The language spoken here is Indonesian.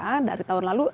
karena dari tahun lalu